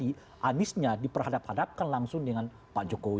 tapi aniesnya diperhadap hadapkan langsung dengan pak jokowi